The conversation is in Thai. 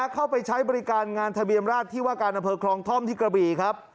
เข้าไปใช้บริการงานทะเบียนราชที่ว่าการอำเภอคลองท่อมที่กระบี่ครับ